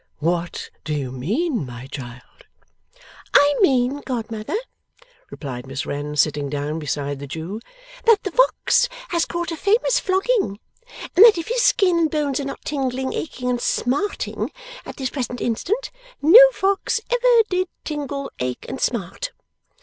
'What do you mean, my child?' 'I mean, godmother,' replied Miss Wren, sitting down beside the Jew, 'that the fox has caught a famous flogging, and that if his skin and bones are not tingling, aching, and smarting at this present instant, no fox did ever tingle, ache, and smart.